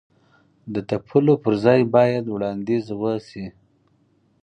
د تپلو پر ځای باید وړاندیز وشي.